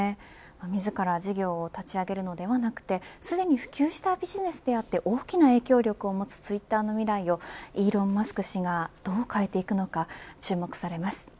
自ら事業を立ち上げるのではなくてすでに普及したビジネスであって大きな影響力を持つツイッターの未来をイーロン・マスク氏がどう変えていくのか注目されます。